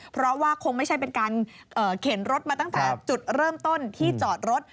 เพราะว่าคงไม่ใช่เป็นการเข็นรถมาตั้งแต่จุดเริ่มต้นที่จอดรถ